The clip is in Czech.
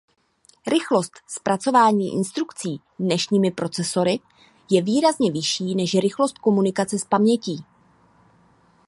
Rychlost zpracování instrukcí dnešními procesory je výrazně vyšší než rychlost komunikace s pamětí.